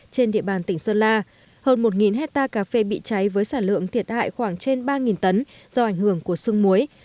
trên địa bàn tỉnh sơn la hơn một hectare cà phê bị cháy với sản lượng thiệt hại khoảng trên ba tấn do ảnh hưởng của sương muối